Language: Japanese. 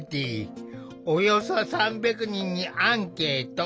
およそ３００人にアンケート。